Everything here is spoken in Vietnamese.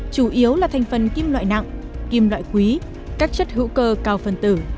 chủ yếu là thành phần kim loại nặng kim loại quý các chất hữu cơ cao phân tử